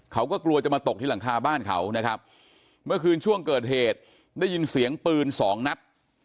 เขาก็กลัวจะมาตกที่หลังคาบ้านเขานะครับเมื่อคืนช่วงเกิดเหตุได้ยินเสียงปืนสองนัด